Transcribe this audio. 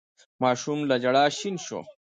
ماشوم له ژړا شين شو.